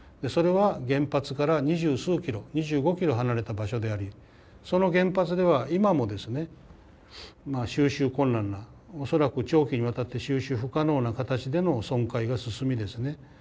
それは原発から二十数キロ２５キロ離れた場所でありその原発では今もですね収拾困難な恐らく長期にわたって収拾不可能な形での損壊が進みですね